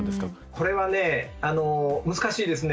これはね難しいですね。